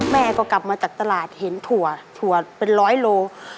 แม่ก็กลับมาจากตลาดเห็นถั่วถั่วเป็นร้อยโล